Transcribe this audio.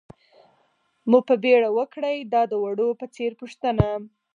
مو په بېړه وکړئ، دا د وړو په څېر پوښتنه.